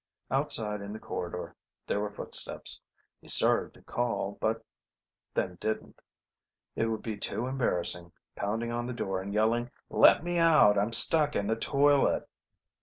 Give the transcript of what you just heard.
Outside in the corridor there were footsteps. He started to call, but then didn't. It would be too embarrassing, pounding on the door and yelling, "Let me out! I'm stuck in the toilet